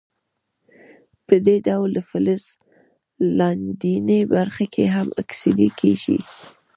په دې ډول د فلز لاندینۍ برخې هم اکسیدي کیږي.